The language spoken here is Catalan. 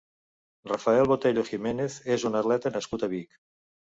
Rafael Botello Jimenez és un atleta nascut a Vic.